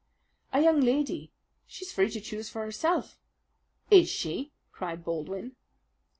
"A young lady. She's free to choose for herself." "Is she?" cried Baldwin.